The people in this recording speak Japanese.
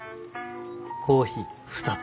コーヒー２つ。